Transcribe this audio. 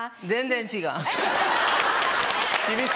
全然違う。